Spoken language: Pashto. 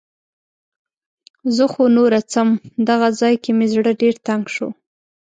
زه خو نوره څم. دغه ځای کې مې زړه ډېر تنګ شو.